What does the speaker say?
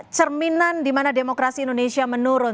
cerminan di mana demokrasi indonesia menurun